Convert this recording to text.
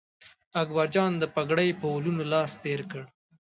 اکبرجان د پګړۍ په ولونو لاس تېر کړ.